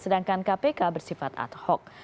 sedangkan kpk bersifat ad hoc